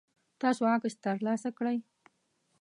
تاسو عکس ترلاسه کړئ؟